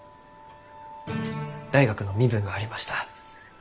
大学の身分がありました。